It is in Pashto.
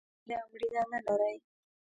مینه مړینه نه لرئ